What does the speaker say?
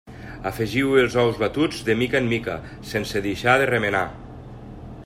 Afegiu-hi els ous batuts, de mica en mica, sense deixar de remenar.